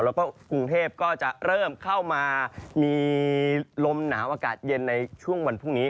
แล้วก็กรุงเทพก็จะเริ่มเข้ามามีลมหนาวอากาศเย็นในช่วงวันพรุ่งนี้